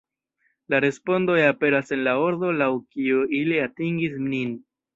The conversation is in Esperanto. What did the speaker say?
La respondoj aperas en la ordo laŭ kiu ili atingis nin.